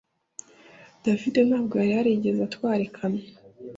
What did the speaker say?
David ntabwo yari yarigeze atwara ikamyo